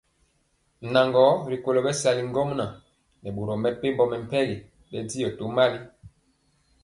Nan gɔ rikolo bɛsali ŋgomnaŋ nɛ boro mepempɔ mɛmpegi bɛndiɔ tomali.